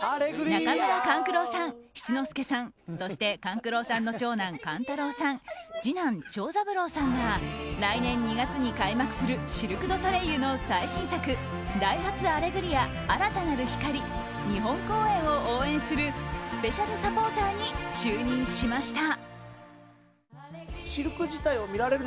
中村勘九郎さん、七之助さんそして勘九郎さんの長男・勘太郎さん次男・長三郎さんが来年２月に開幕するシルク・ドゥ・ソレイユの最新作「ダイハツアレグリア‐新たなる光‐」日本公演を応援するスペシャルサポーターに就任しました。